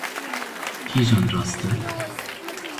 Kîjan rast e?